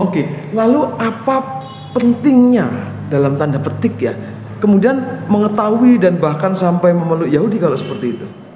oke lalu apa pentingnya dalam tanda petik ya kemudian mengetahui dan bahkan sampai memeluk yahudi kalau seperti itu